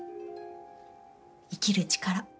生きる力。